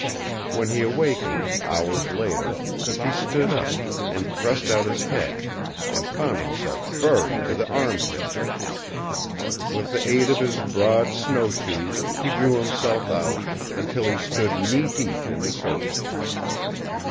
When he awakened, hours later, he stood up, and thrust out his head, and found himself buried to the arm pits. With the aid of his broad snow shoes he drew himself out, until he stood knee deep in the surface.